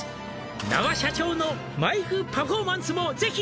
「那波社長のマイクパフォーマンスも是非」